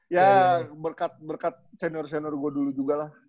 ya berkat berkat senior senior gue dulu juga lah